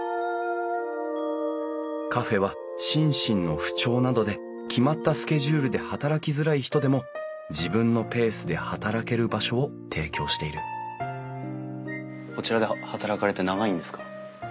カフェは心身の不調などで決まったスケジュールで働きづらい人でも自分のペースで働ける場所を提供しているこちらで働かれて長いんですか？